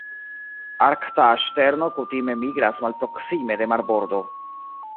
Arkta ŝterno kutime migras malproksime de marbordo.